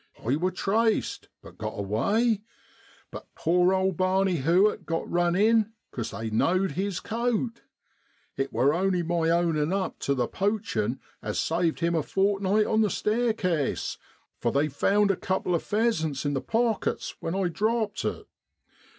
I wor traced, but got away; but poor owd Barney Hewitt got run in cos they know'd his coat ! It wor only my ownin' up tu the poachin' as saved him a fortnight on the staircase, for they found a couple of pheasants in the pockets when I dropped it.